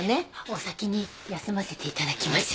お先に休ませていただきます。